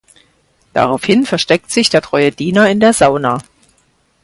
Daraufhin versteckt sich der treue Diener in der Sauna.